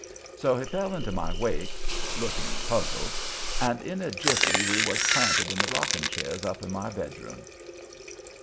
So he fell into my wake, looking puzzled, and in a jiffy we was planted in the rocking chairs up in my bedroom.